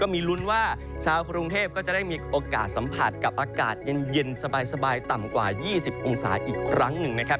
มีลุ้นว่าชาวกรุงเทพก็จะได้มีโอกาสสัมผัสกับอากาศเย็นสบายต่ำกว่า๒๐องศาอีกครั้งหนึ่งนะครับ